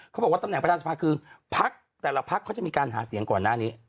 ตำแหน่งประธานสภาคือพักแต่ละพักเขาจะมีการหาเสียงก่อนหน้านี้